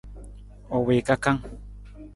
U wii kakang.